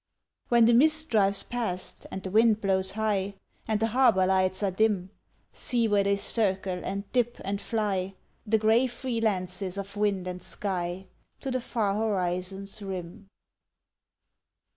When the mist drives past and the wind blows high, And the harbour lights are dim See where they circle, and dip and fly, The grey free lances of wind and sky, To the far horizon's rim.